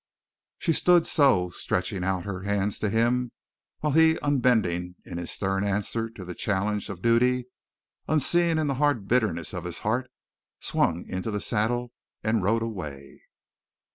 She stood so, stretching out her hands to him, while he, unbending in his stern answer to the challenge of duty, unseeing in the hard bitterness of his heart, swung into the saddle and rode away.